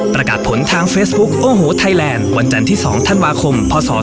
ประกาศผลทางเฟซบุ๊คโอ้โหไทยแลนด์วันจันทร์ที่๒ธันวาคมพศ๒๕